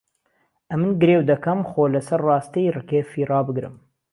ئەمن گرێو دهکهم خۆ له سهر ڕاستەی ڕکێفێ ڕابگرم